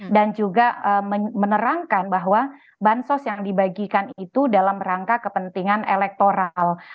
dan juga menerangkan bahwa bansos yang dibagikan itu dalam rangka kepentingan elektronik